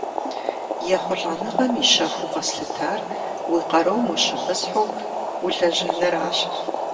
ЕхъулӀэныгъэм и щэхуу къэслъытэр уи къарум ущымысхьу улэжьэныращ.